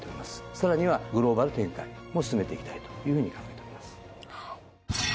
さらにはグローバル展開も進めていきたいというふうに考えております。